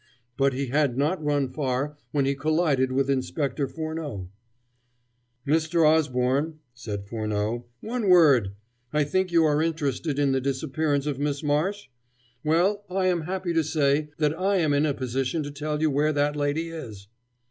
But he had not run far when he collided with Inspector Furneaux. "Mr. Osborne," said Furneaux "one word. I think you are interested in the disappearance of Miss Marsh? Well, I am happy to say that I am in a position to tell you where that lady is."